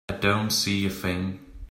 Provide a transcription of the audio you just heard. I don't see a thing.